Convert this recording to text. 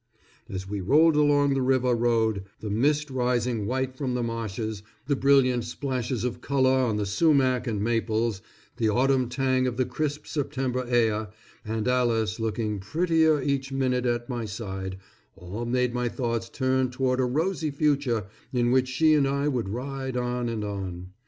As we rolled along the river road, the mist rising white from the marshes, the brilliant splashes of color on the sumac and maples, the autumn tang of the crisp September air, and Alice looking prettier each minute at my side, all made my thoughts turn toward a rosy future in which she and I would ride on and on.